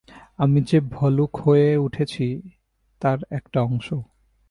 আমি যে ভালুক হয়ে উঠেছি তার একটা অংশ।